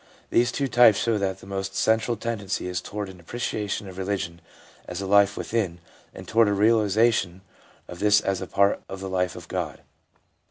These two types show that the most central tendency is toward an appreciation of religion as a life zvithin, and toward a realisation of this as a part of the life of God.